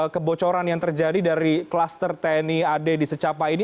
kebocoran yang terjadi dari kluster tni ad di secapai ini